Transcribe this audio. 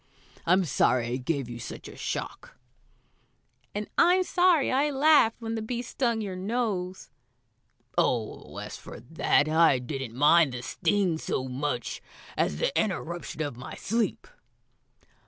"I'm sorry I gave you such a shock." "And I'm sorry I laughed when the bee stung your nose." "Oh, as for that, I didn't mind the sting so much as the interruption of my sleep."